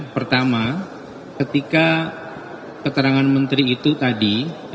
pertama ketika keterangan menteri itu tadi